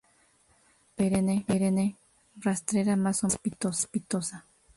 Hierba perenne, rastrera, más o menos cespitosa.